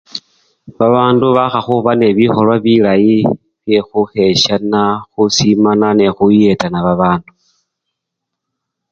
Babandu bakha khuba nebikholwa bilayi, byekhukhesyana, khusimana nende khuyeta nebabandu.